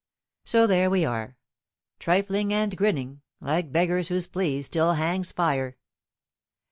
So there we are, trifling and grinning, like beggars whose plea still hangs fire.